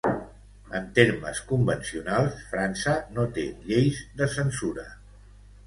En termes convencionals, França no té lleis de censura.